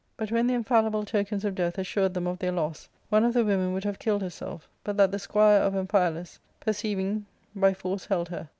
But when the infallible tokens of death assured them of their loss, one of the women would have killed herself, but that the squire of Amphialus, perceiving^ by force held her.